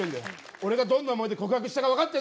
俺がどんな思いで告白したか分かってんのかよ。